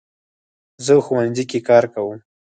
زه ښوونځي کې کار کوم